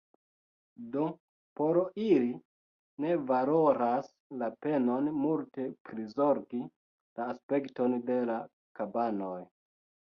Do, por ili ne valoras la penon multe prizorgi la aspekton de la kabanoj.